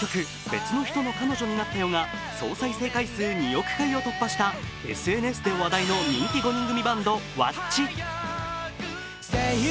「別の人の彼女になったよ」が総再生回数２億回を突破したＳＮＳで話題の人気５人組バンドｗａｃｃｉ。